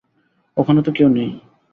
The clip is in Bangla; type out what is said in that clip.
ওখানে তো কেউ নেই!